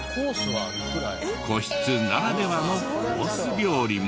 個室ならではのコース料理も。